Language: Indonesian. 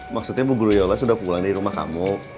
maksudnya ibu guru yola sudah pulang di rumah kamu